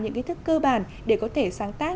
những kiến thức cơ bản để có thể sáng tác